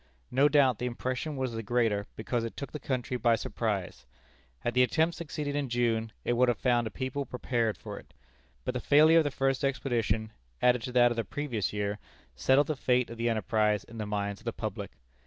No doubt, the impression was the greater because it took the country by surprise. Had the attempt succeeded in June, it would have found a people prepared for it. But the failure of the first expedition, added to that of the previous year, settled the fate of the enterprise in the minds of the public.